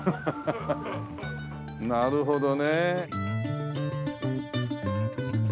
なるほどね。